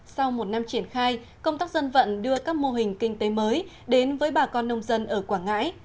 sau một năm triển khai công tác dân vận đưa các mô hình kinh tế mới đến với bà con nông dân ở quảng ngãi